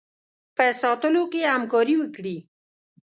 په ساتلو کې همکاري وکړي.